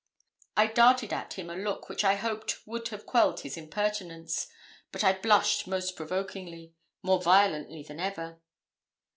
I darted at him a look which I hoped would have quelled his impertinence; but I blushed most provokingly more violently than ever.